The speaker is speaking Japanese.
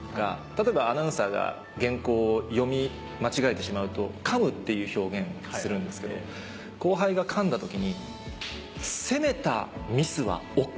例えばアナウンサーが原稿を読み間違えてしまうと「噛む」っていう表現をするんですけど後輩が噛んだ時に。